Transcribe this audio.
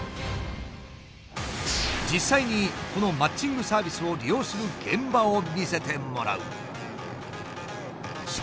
実際にこのマッチングサービスを利用する現場を見せてもらう。